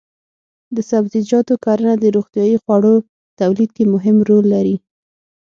د سبزیجاتو کرنه د روغتیايي خوړو تولید کې مهم رول لري.